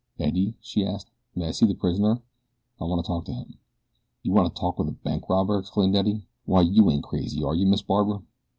"Eddie," she asked, "may I see the prisoner? I want to talk to him." "You want to talk with a bank robber?" exclaimed Eddie. "Why you ain't crazy are you, Miss Barbara?"